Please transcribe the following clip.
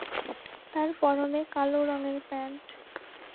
তার পরনে কালো রঙের প্যান্ট।